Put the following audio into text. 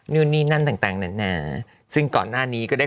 นี่นี่นั่นต่างนะนะ